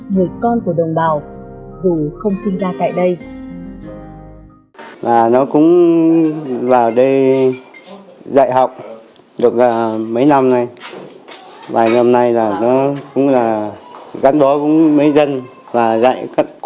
người con của đồng bào dù không sinh ra tại đây